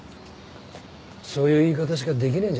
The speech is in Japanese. そういう言い方しかできねえんじゃねえか？